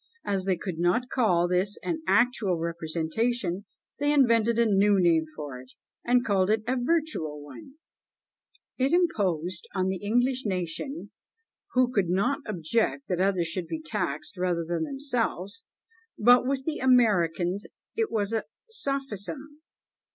As they could not call this an actual representation, they invented a new name for it, and called it a virtual one. It imposed on the English nation, who could not object that others should be taxed rather than themselves; but with the Americans it was a sophism!